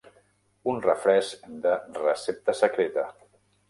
Un refresc de "Recepta secreta".